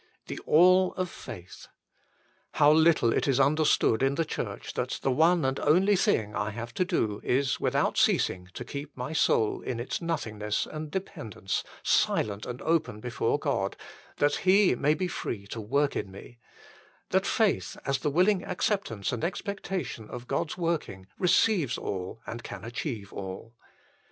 The All of Faith. How little is it understood 1 Mark xi. 24 (R.V.). HOW EVERYTHING MUST BE GIVEN UP 179 in the Church that the one and only thing I have to do is without ceasing to keep my soul in its nothingness and dependence silent and open before God, that He may be free to work in me ; that faith as the willing acceptance and expectation of God s working, receives all and can achieve all.